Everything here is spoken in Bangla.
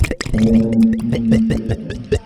মেয়েরা সাধারণত পেছন ফিরে তাকায়।